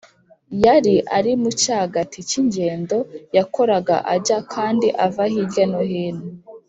yari ari mu cyagati cy’ingendo yakoraga ajya kandi ava hirya no hino,